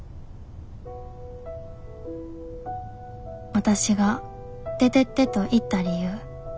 わたしが「出てって」と言った理由。